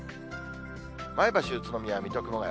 前橋、宇都宮、水戸、熊谷。